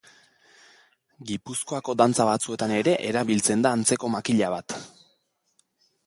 Gipuzkoako dantza batzuetan ere erabiltzen da antzeko makila bat.